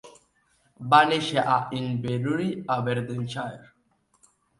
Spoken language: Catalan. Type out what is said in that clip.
Va néixer a Inverurie, Aberdeenshire.